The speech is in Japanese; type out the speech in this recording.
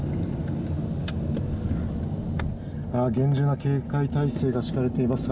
厳重な警戒体制が敷かれています。